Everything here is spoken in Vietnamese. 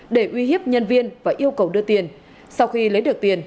để uy hiếp nhân viên và yêu cầu đưa tiền sau khi lấy được tiền